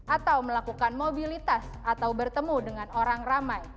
atau melakukan mobilitas atau bertemu dengan orang ramai